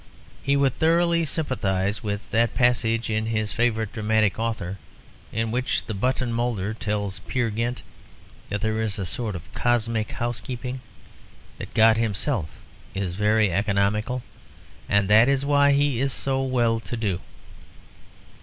He would thoroughly sympathise with that passage in his favourite dramatic author in which the Button Moulder tells Peer Gynt that there is a sort of cosmic housekeeping; that God Himself is very economical, "and that is why He is so well to do."